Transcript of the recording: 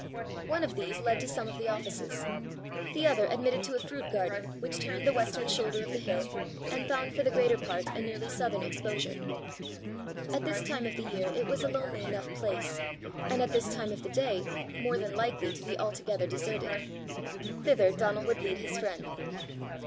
One of these led to some of the offices; the other admitted to a fruit garden which turned the western shoulder of the hill, and found for the greater part a nearly southern exposure. At this time of the year it was a lonely enough place, and at this time of the day more than likely to be altogether deserted: thither Donal would lead his friend.